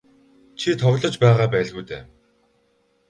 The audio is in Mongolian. Чи тоглож байгаа байлгүй дээ.